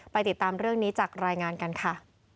ติดตามเรื่องนี้จากรายงานกันค่ะ